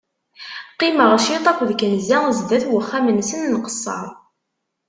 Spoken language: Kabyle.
Qqimeɣ ciṭ aked kenza sdat n uxxam-nsen nqesser.